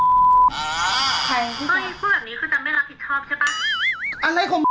ต้องให้พูดแบบนี้คือจะไม่รับผิดชอบใช่ปะ